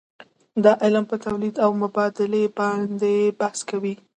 دا علم په تولید او مبادلې باندې بحث کوي.